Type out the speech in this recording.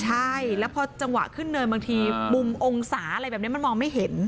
ใช่แล้วพอจังหวะขึ้นเนินบางทีมุมองศาอะไรแบบนี้มันมองไม่เห็น